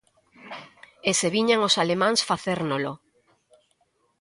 Ese viñan os alemáns facérnolo.